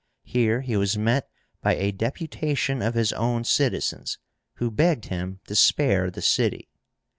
Here he was met by a deputation of his own citizens, who begged him to spare the city.